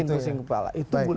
itu yang bikin pusing kepala